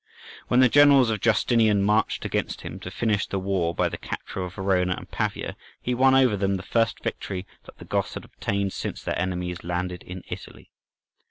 When the generals of Justinian marched against him, to finish the war by the capture of Verona and Pavia, he won over them the first victory that the Goths had obtained since their enemies landed in Italy.